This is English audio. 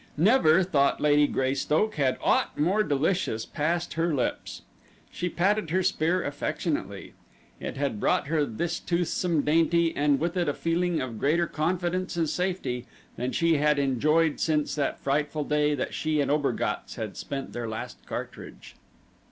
Never, thought Lady Greystoke, had aught more delicious passed her lips. She patted her spear affectionately. It had brought her this toothsome dainty and with it a feeling of greater confidence and safety than she had enjoyed since that frightful day that she and Obergatz had spent their last cartridge.